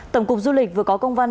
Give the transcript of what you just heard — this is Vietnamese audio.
tổng cục du lịch vừa có công văn